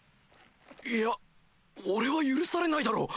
いや俺は許されないだろう！